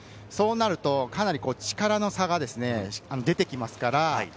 そうなると、かなり力の差が出てきますから。